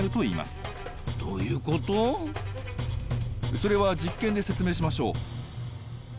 それは実験で説明しましょう。